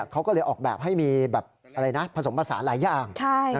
เขาก็เลยออกแบบให้มีแบบอะไรนะผสมผสานหลายอย่าง